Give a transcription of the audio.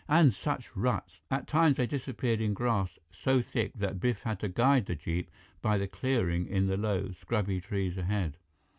And such ruts! At times they disappeared in grass so thick that Biff had to guide the jeep by the clearing in the low, scrubby trees ahead.